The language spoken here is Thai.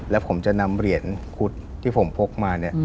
แล้วผมจะนำเหรียญกุฎที่ผมพกมา